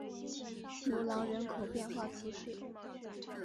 努朗人口变化图示